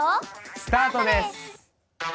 スタートです！